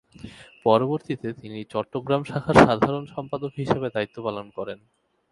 পরবর্তীতে, তিনি চট্টগ্রাম শাখার সাধারণ সম্পাদক হিসেবে দায়িত্ব পালন করেন।